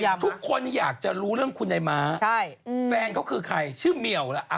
แล้วก็ทุกคนอยากจะรู้เรื่องคุณใดม้าแฟนเขาคือใครชื่อเมียวละ